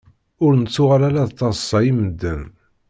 Ur nettuɣal ara d taḍṣa i medden.